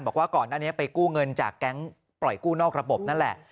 บอกว่าก่อนหน้านี้ไปกู้เงินจากแก๊งปล่อยกู้นอกระบบนั่นแหละ